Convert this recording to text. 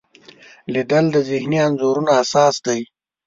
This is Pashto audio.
لیدل د ذهني انځورونو اساس دی